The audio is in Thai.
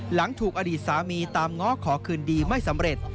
หลังถูกอดีตสามีตามง้อขอคืนดีไม่สำเร็จ